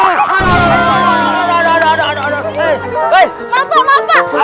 mas pak mas pak